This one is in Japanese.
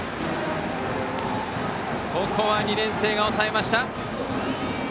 ここは２年生が抑えました！